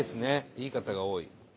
いい方が多い。